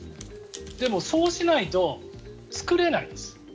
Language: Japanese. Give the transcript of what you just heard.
でもそうしないと作れないんです。